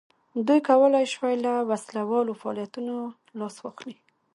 دوی کولای شوای له وسله والو فعالیتونو لاس واخلي.